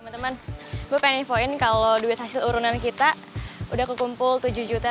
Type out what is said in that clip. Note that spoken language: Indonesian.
teman teman gue pengen nifoin kalau duit hasil urunan kita udah kekumpul tujuh dua ratus rupiah